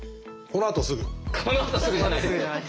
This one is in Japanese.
このあとすぐじゃない。